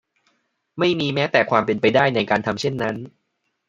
ไม่มีแม้แต่ความเป็นไปได้ในการทำเช่นนั้น